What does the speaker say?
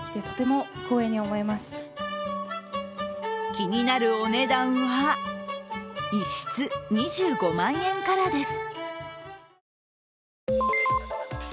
気になるお値段は、１室２５万円からです。